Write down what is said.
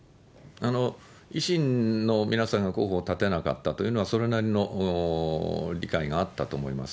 維新の皆さんが候補を立てなかったというのは、それなりの理解があったと思います。